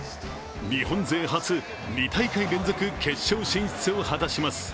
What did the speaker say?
日本勢初、２大会連続決勝進出を果たします。